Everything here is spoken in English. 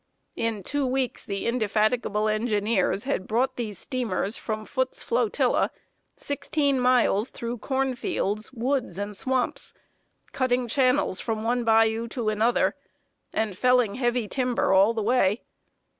In two weeks the indefatigable engineers had brought these steamers from Foote's flotilla, sixteen miles, through corn fields, woods, and swamps, cutting channels from one bayou to another, and felling heavy timber all the way.